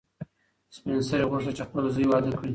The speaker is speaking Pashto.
سپین سرې غوښتل چې خپل زوی واده کړي.